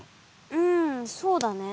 うんそうだね。